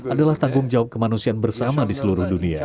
adalah tanggung jawab kemanusiaan bersama di seluruh dunia